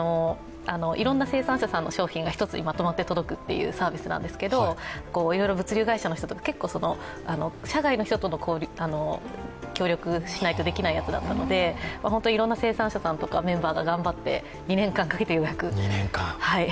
いろんな生産者さんの商品が一つにまとまって届くというサービスなんですけどいろいろ物流会社の人とか社外の人と協力しないとできないやつだったので本当にいろんな生産者さんとかメンバーが頑張って２年間かけてようやく。